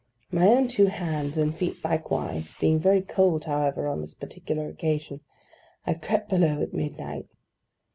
My own two hands, and feet likewise, being very cold, however, on this particular occasion, I crept below at midnight.